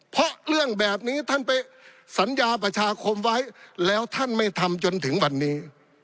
เพราะเรื่องแบบนี้ท่านไปสัญญาประชาคมไว้แล้วท่านไม่ทำจนถึงวันนี้